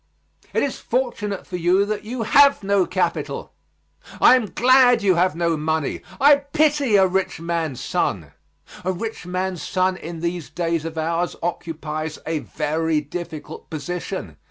It is fortunate for you that you have no capital. I am glad you have no money. I pity a rich man's son. A rich man's son in these days of ours occupies a very difficult position.